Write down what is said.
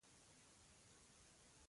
د توبې عمل د ایمان ثبوت دی.